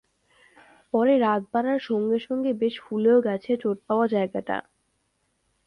পরে রাত বাড়ার সঙ্গে সঙ্গে বেশ ফুলেও গেছে চোট পাওয়া জায়গাটা।